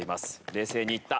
冷静にいった。